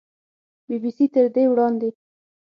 بي بي سي تر دې وړاندې